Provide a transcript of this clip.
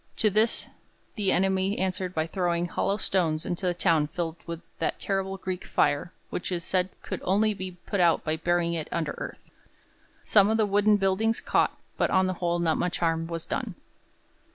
To this the enemy answered by throwing hollow stones into the town filled with that terrible Greek fire which it was said could only be put out by burying it under earth. Some of the wooden buildings caught, but on the whole, not much harm was done.